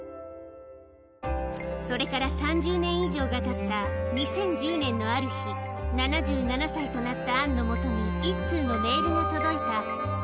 それから３０年以上がたった２０１０年のある日、７７歳となったアンのもとに１通のメールが届いた。